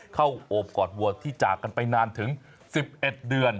โอบกอดวัวที่จากกันไปนานถึง๑๑เดือน